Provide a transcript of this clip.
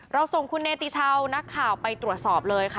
ส่งคุณเนติชาวนักข่าวไปตรวจสอบเลยค่ะ